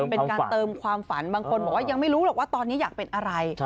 เป็นการเติมความฝันบางคนบอกว่ายังไม่รู้หรอกว่าตอนนี้อยากเป็นอะไร